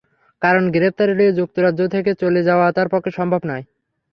কারণ, গ্রেপ্তার এড়িয়ে যুক্তরাজ্য থেকে চলে যাওয়া তাঁর পক্ষে সম্ভব নয়।